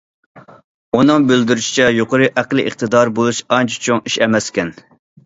ئۇنىڭ بىلدۈرۈشىچە، يۇقىرى ئەقلىي ئىقتىدارى بولۇش ئانچە چوڭ ئىش ئەمەسكەن.